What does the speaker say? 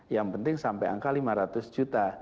yang penting sampai angka lima ratus juta